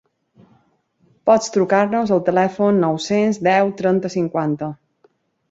Pots trucar-nos al telèfon nou-cents deu trenta cinquanta.